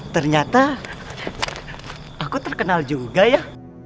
ternyata aku terkenal juga ya